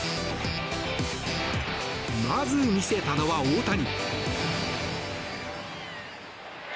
まず見せたのは大谷。